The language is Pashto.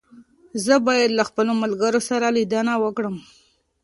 زه بايد له خپلو ملګرو سره ليدنه وکړم.